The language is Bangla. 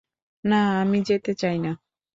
না, আমি যেতে চাই না।